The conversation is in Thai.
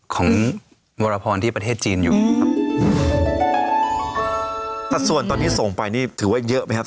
ของวรพรที่ประเทศจีนอยู่ครับแต่ส่วนตอนนี้ส่งไปนี่ถือว่าเยอะไหมครับ